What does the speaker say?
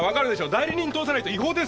代理人通さないと違法ですよ！